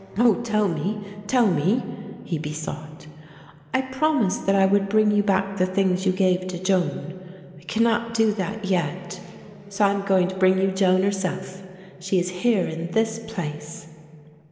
"Oh, tell me, tell me," he besought. "I promised that I would bring you back the things you gave to Joan. I cannot do that yet; so I am going to bring you Joan herself. She is here in this place."